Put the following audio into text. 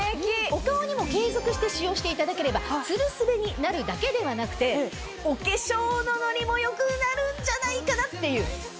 お顔にも継続して使用していただければツルスベになるだけではなくてお化粧のノリも良くなるんじゃないかなっていう。